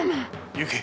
⁉行け！